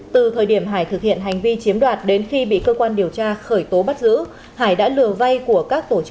từ thời điểm hải thực hiện hành vi chiếm đoạt đến khi bị cơ quan điều tra khởi tố bắt giữ hải đã lừa vay của các tổ chức